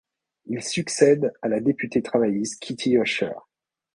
Il succède à la députée travailliste Kitty Ussher.